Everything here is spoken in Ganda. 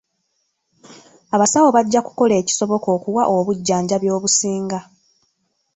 Abasawo bajja kukola ekisoboka okuwa obujjanjabi obusinga.